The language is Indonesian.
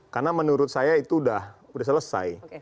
karena menurut saya itu sudah selesai